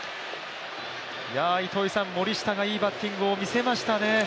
糸井さん、森下がいいバッティングを見せましたね。